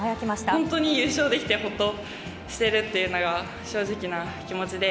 本当に優勝できてほっとしているっていうのが、正直な気持ちで。